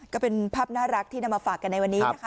ก็เป็นภาพน่ารักที่นำมาฝากกันในวันนี้นะคะ